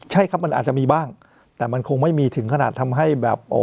ใช่ครับมันอาจจะมีบ้างแต่มันคงไม่มีถึงขนาดทำให้แบบ